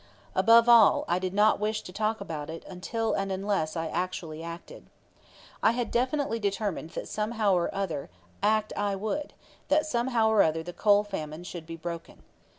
Above all, I did not wish to talk about it until and unless I actually acted. I had definitely determined that somehow or other act I would, that somehow or other the coal famine should be broken.